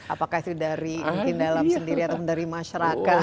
apakah itu dari mungkin dalam sendiri atau dari masyarakat